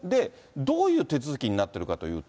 どういう手続きになってるかというと。